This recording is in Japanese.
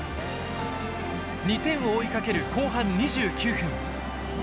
２点を追いかける後半２９分。